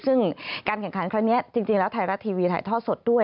ซึ่งการแข่งขันครั้งนี้จริงแล้วไทยรัฐทีวีถ่ายทอดสดด้วย